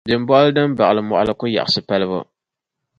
Bimbɔɣili din baɣili mɔɣili ku yaɣisi palibu.